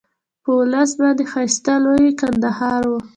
په ولس باندې ښایسته لوی کندهار وو.